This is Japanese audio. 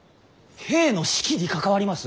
兵の士気に関わります。